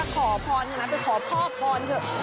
ถ้าขอพอนต้องถือขอพ่อพรเถอะ